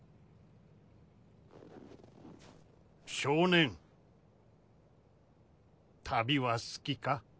少年旅は好きか？